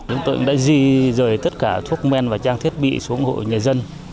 chúng tôi đã di rời tất cả thuốc men và trang thiết bị xuống hộ nhà dân